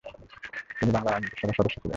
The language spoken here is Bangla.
তিনি বাংলার আইনসভার সদস্য ছিলেন।